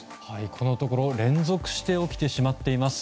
このところ連続して起きてしまっています。